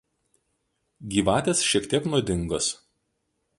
Gyvatės šiek tiek nuodingos.